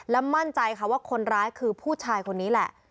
และมั่นใจค่ะว่าคนร้ายคือผู้ชายคนนี้แหละ